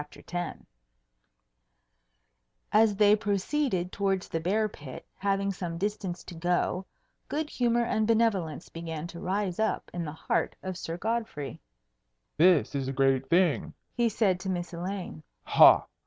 X As they proceeded towards the bear pit, having some distance to go, good humour and benevolence began to rise up in the heart of Sir Godfrey. "This is a great thing!" he said to Miss Elaine. "Ha!